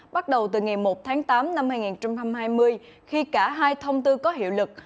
bắt đầu từ ngày một tháng tám năm hai nghìn hai mươi khi cả hai thông tư có hiệu lực